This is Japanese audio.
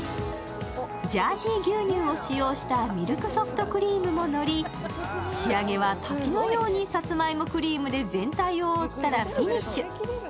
ジャージー牛乳を使用したミルクソフトクリームものり、仕上げは滝のようにさつまいもクリームで全体を覆ったらフィニッシュ。